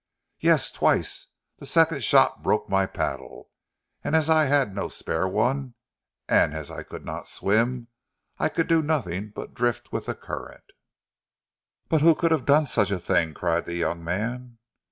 "Yes, twice! The second shot broke my paddle, and as I had no spare one, and as I cannot swim, I could do nothing but drift with the current." "But who can have done such a thing?" cried the young man.